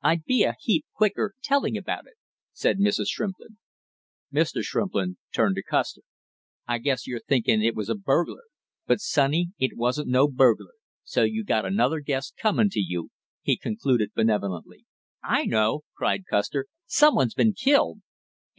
"I'd be a heap quicker telling about it," said Mrs. Shrimplin. Mr. Shrimplin turned to Custer. "I guess, you're thinking it was a burglar; but, sonny, it wasn't no burglar so you got another guess coming to you," he concluded benevolently. "I know!" cried Custer. "Some one's been killed!"